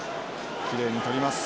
きれいにとります。